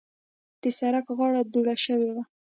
د سړک غاړه دوړه شوې وه.